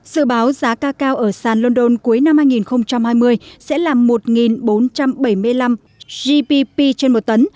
dự báo giá cacao ở sàn london cuối năm hai nghìn hai mươi sẽ là một bốn trăm bảy mươi năm gpp trên một tấn